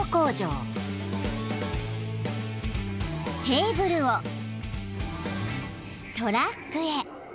［テーブルをトラックへ］